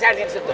saya di sini